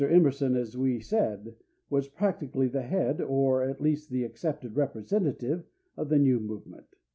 Emerson, as we said, was practically the head or, at least, the accepted representative of the new movement.